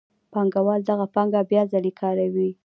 پانګوال دغه پانګه بیا ځلي کاروي